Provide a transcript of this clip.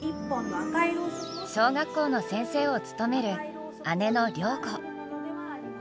小学校の先生を務める姉の良子。